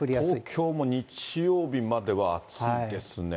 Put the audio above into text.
東京も日曜日までは暑いですね。